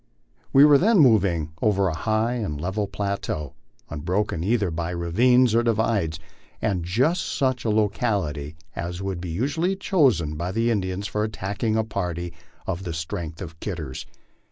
We were then moving over a high and level plateau, unbroken either by ravines or divides, and just such a locality as would be usually chosen by the Indians for attacking a party of the strength of Kidder's.